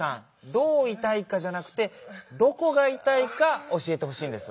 どういたいかじゃなくてどこがいたいかおしえてほしいんです。